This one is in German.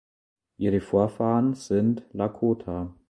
Ihre Vorfahren sind Lakota.